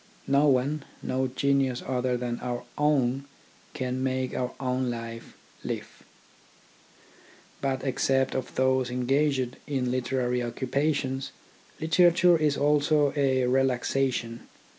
No one, no genius other than our own, can make our own life live. But except for those engaged in literary occupa tions, literature is also a relaxation.